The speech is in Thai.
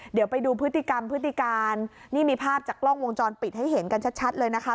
เดี๋ยวไปดูพฤติกรรมพฤติการนี่มีภาพจากกล้องวงจรปิดให้เห็นกันชัดเลยนะคะ